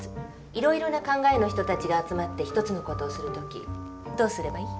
いろいろな考えの人たちが集まって１つの事をする時どうすればいい？